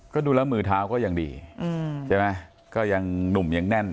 ก็ดูแล้วมือเท้าก็ยังดีใช่ไหมก็ยังหนุ่มยังแน่น